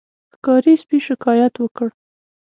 ښکاري سپي شکایت وکړ.